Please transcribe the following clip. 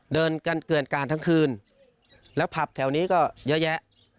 เดินกันเกินการทั้งคืนแล้วผับแถวนี้ก็เยอะแยะ